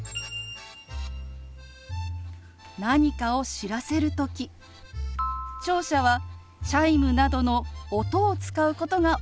何かを知らせる時聴者はチャイムなどの音を使うことが多いですよね。